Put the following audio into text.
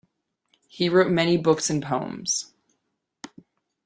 He wrote many books and poems.